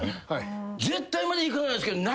絶対までいかないですけど。